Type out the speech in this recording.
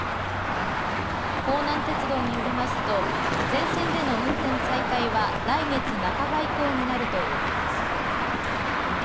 弘南鉄道によりますと全線での運転再開は来月半ば以降になるということです。